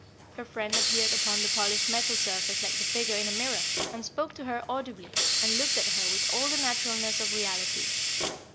Her friend appeared upon the polished metal surface like the figure in a mirror, and spoke to her audibly, and looked at her with all the naturalness of reality.